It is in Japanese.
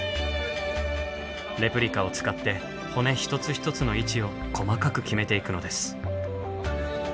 レプリカを使って骨一つ一つの位置を細かく決めていくのです。